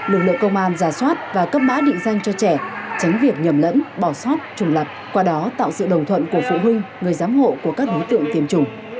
lực lượng công an giả soát và cấp mã định danh cho trẻ tránh việc nhầm lẫn bỏ sót trùng lập qua đó tạo sự đồng thuận của phụ huynh người giám hộ của các đối tượng tiêm chủng